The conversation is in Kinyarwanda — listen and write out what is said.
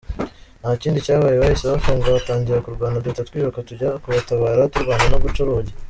Ntakindi cyabaye, bahise bafunga batangira kurwana, duhita twiruka tujya kubatabara, turwana no guca urugi.